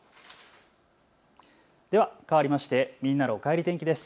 ではかわりましてみんなのおかえり天気です。